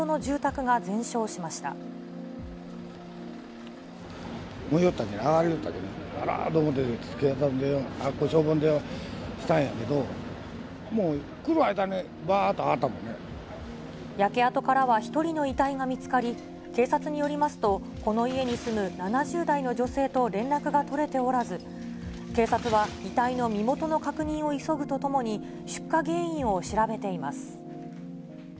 上がりよったけんね、あらーと思って、消防に電話したんやけど、もう、来る間に、焼け跡からは１人の遺体が見つかり、警察によりますと、この家に住む７０代の女性と連絡が取れておらず、警察は遺体の身元の確認を急ぐとともに、出火原因を調べています。